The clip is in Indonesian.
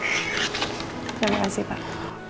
terima kasih pak